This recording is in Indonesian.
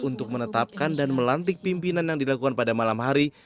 untuk menetapkan dan melantik pimpinan yang dilakukan pada malam hari